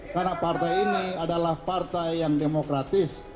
karena partai ini adalah partai yang demokratis